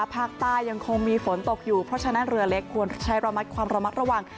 ภาคใต้ยังคงมีฝนตกอยู่เพราะฉะนั้นเรือเล็กควรใช้ระมัดระวัง